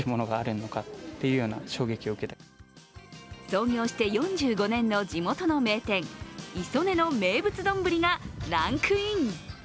創業して４５年の地元の名店いそねの名物丼がランクイン。